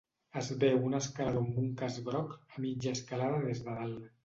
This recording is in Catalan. Es veu un escalador amb un casc groc a mitja escalada des de dalt.